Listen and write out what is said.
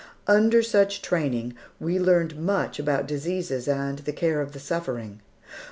Under such training, we learned much about diseases and the care of the suffering.